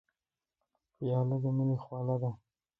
پیاله د مینې خواله ده.